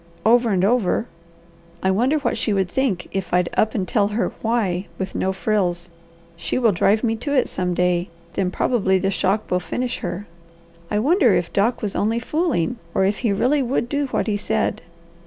Over and over! I wonder what she would think if I'd up and tell her 'why' with no frills. She will drive me to it some day, then probably the shock will finish her. I wonder if Doc was only fooling or if he really would do what he said.